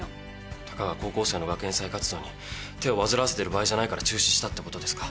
たかが高校生の学園祭活動に手を煩わせてる場合じゃないから中止したってことですか。